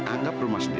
anggap rumah sendiri